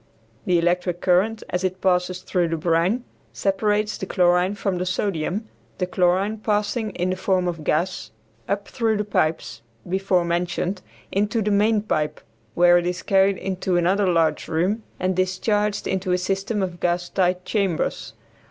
The electric current, as it passes through the brine, separates the chlorine from the sodium, the chlorine passing in the form of gas up through the pipes, before mentioned, into the main pipe, where it is carried into another large room and discharged into a system of gas tight chambers.